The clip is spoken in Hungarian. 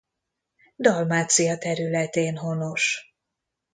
Dalmácia területén honos.